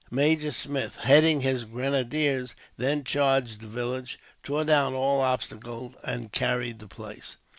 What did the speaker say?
Major Smith, heading his grenadiers, then charged the village, tore down all obstacles, and carried the place.